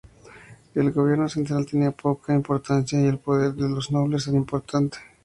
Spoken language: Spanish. El gobierno central tenía poca importancia y el poder de los nobles era importante.